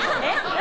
何？